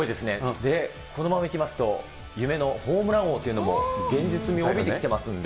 このままいきますと、夢のホームラン王というのも、現実味を帯びてきていますんで。